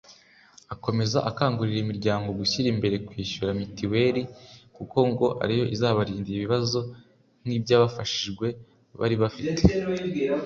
Akomeza akangurira imiryango gushyira imbere kwishyura Mitiweri kuko ngo ari yo izabarinda ibibazo nk’iby’abafashijwe bari bafite